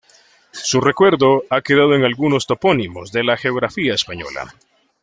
Su recuerdo ha quedado en algunos topónimos de la geografía española.